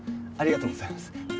ありがとうございます。